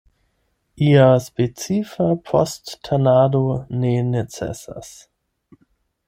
Ia specifa post-tanado ne necesas.